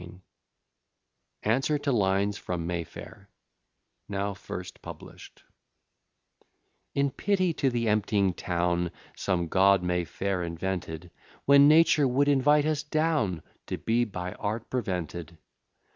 _] ANSWER TO LINES FROM MAY FAIR NOW FIRST PUBLISHED I In pity to the empty'ng Town, Some God May Fair invented, When Nature would invite us down, To be by Art prevented.